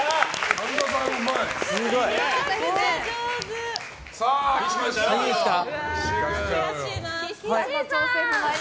神田さん、うまい！